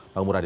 bang mura d